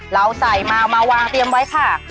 เราใส่มามาวางเตรียมไว้ค่ะ